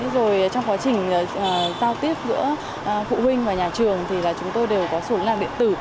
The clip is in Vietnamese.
rồi trong quá trình giao tiếp giữa phụ huynh và nhà trường thì chúng tôi đều có số lượng điện tử